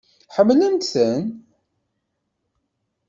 Ḥemmlent-ten?